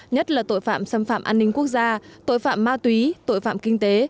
nhất là tội phạm xâm phạm an ninh quốc gia tội phạm ma túy tội phạm kinh tế